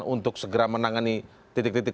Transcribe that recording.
untuk segera menangani titik titik